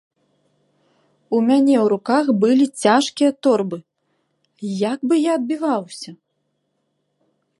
У мяне ў руках былі цяжкія торбы, як бы я адбіваўся?